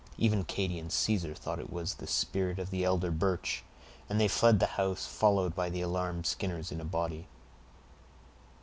Even Katy and Caesar thought it was the spirit of the elder Birch, and they fled the house, followed by the alarmed Skinners in a body.